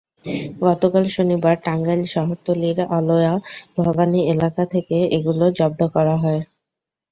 গতকাল শনিবার টাঙ্গাইল শহরতলির অলোয়া ভবানী এলাকা থেকে এগুলো জব্দ করা হয়।